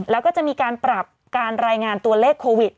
แล้วก็จะมีการปรับการรายงานตัวเลขโควิด